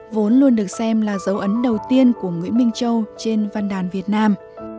vốn luôn được xem là dấu ấn đầu tiên của nguyễn minh châu trên văn đàn việt nam